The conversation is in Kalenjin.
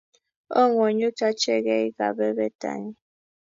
Oo ngwonyut ache kei kebebertanyi